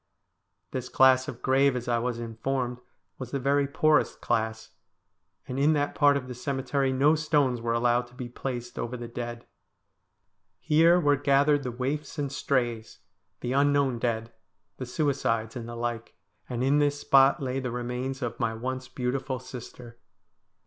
This class of grave, as I was informed, was the very poorest class, and in that part of the cemetery no stones were allowed to be placed over the dead. Here were gathered the waifs and strays ; the unknown dead ; the suicides, and the like ; and in this spot lay the remains of my once beautiful sister.